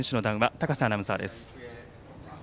高瀬アナウンサーです。